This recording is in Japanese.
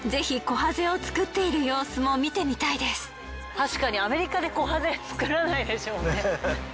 確かにアメリカでこはぜ作らないでしょうね。